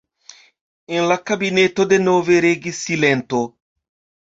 En la kabineto denove regis silento.